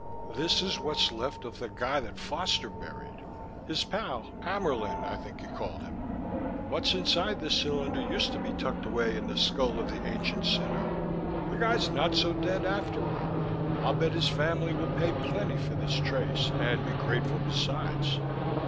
"This is what's left of the guy that Foster buried: his pal, Ammaerln, I think he called him. What's inside this cylinder used to be tucked away in the skull of the ancient sinner. The guy's not so dead after all. I'll bet his family will pay plenty for this trace, and be grateful besides.